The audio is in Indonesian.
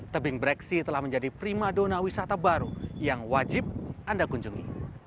tebing breksi telah menjadi prima dona wisata baru yang wajib anda kunjungi